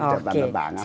oke sangat optimis ya